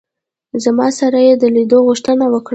زما سره یې د لیدلو غوښتنه وکړه.